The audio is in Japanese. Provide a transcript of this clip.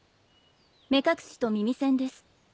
目隠しと耳栓です。